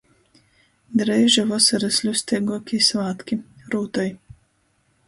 Dreiži vosorys ļusteiguokī svātki! Rūtoj!